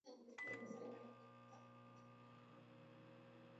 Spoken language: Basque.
Ekialdetik mendebaldera uharteak honakoak dira.